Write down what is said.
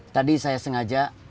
tadi saya sengaja